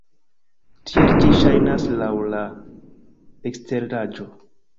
Tiel ĝi ŝajnas laŭ la eksteraĵo.